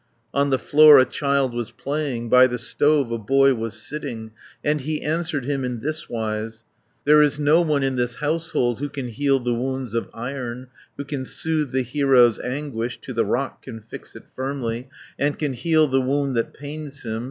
On the floor a child was playing, By the stove a boy was sitting, And he answered him in this wise: "There is no one in this household 230 Who can heal the wounds of iron, Who can soothe the hero's anguish, To the rock can fix it firmly, And can heal the wound that pains him.